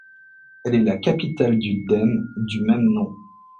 Elle est la capitale du dème du même nom.